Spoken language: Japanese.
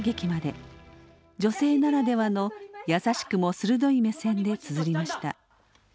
女性ならではの優しくも鋭い目線でつづりました。